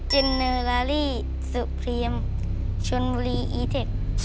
จินเนอราริสุพรียมชุนบุรีอีเท็กท์